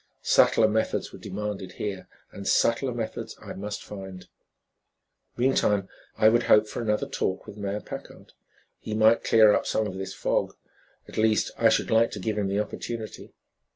Subtler methods were demanded here and subtler methods I must find. Meantime, I would hope for another talk with Mayor Packard. He might clear up some of this fog. At least, I should like to give him the opportunity.